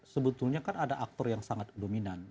sebetulnya kan ada aktor yang sangat dominan